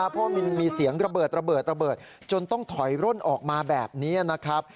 เพราะมันมีเสียงระเบิดระเบิดจนต้องถอยร่นออกมาแบบนี้นะครับ